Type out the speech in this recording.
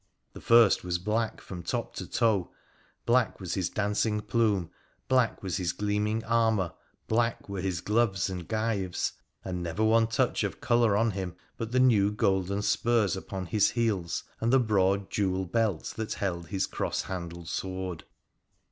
The first was black from top to toe — black was his dancing plume, black was his gleaming armour, black were his gloves and gyves, and never one touch of colour on him but the new golden spurs upon his heels and the broad jewel belt that held his cross handled sword.